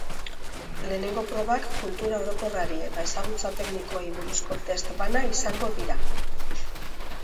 Lehenengo probak kultura orokorrari eta ezagutza teknikoei buruzko test bana izango dira.